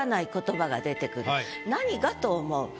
何が？と思う。